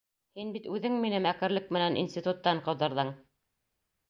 Һин бит үҙең мине мәкерлек менән институттан ҡыуҙырҙың!